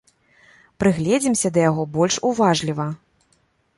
Прыгледзімся да яго больш уважліва.